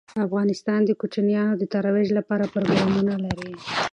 افغانستان د کوچیانو د ترویج لپاره پروګرامونه لري.